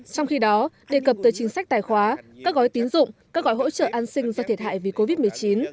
trong khi đó đề cập tới chính sách tài khoá các gói tín dụng các gói hỗ trợ an sinh do thiệt hại vì covid một mươi chín